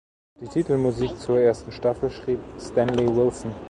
Die Titelmusik zur ersten Staffel schrieb Stanley Wilson.